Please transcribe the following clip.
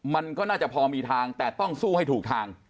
มันก็น่าจะพอมีทางแต่ต้องสู้ให้ถูกทาง